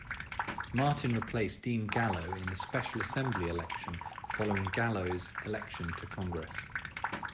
Martin replaced Dean Gallo in a special Assembly election following Gallo's election to Congress.